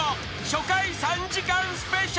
初回３時間スペシャル］